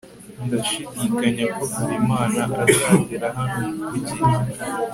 ndashidikanya ko habimana azagera hano ku gihe